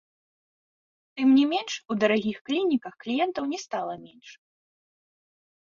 Тым не менш, у дарагіх клініках кліентаў не стала менш.